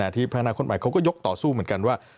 ที่พนาคตใหม่เขาก็ยกต่อสู้เหมือนกันว่า